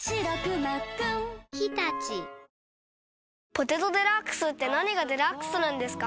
「ポテトデラックス」って何がデラックスなんですか？